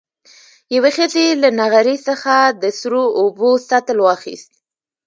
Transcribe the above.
يوې ښځې له نغري څخه د سرو اوبو سطل واخېست.